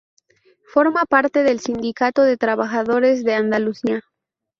Forma parte del Sindicato de Trabajadores de Andalucía.